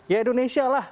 ya indonesia lah